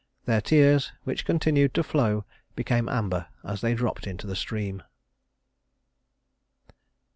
Their tears, which continued to flow, became amber as they dropped into the stream.